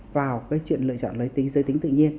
vào chuyện lựa chọn giới tính tự nhiên